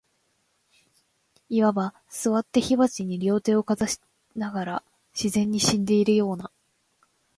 謂わば、坐って火鉢に両手をかざしながら、自然に死んでいるような、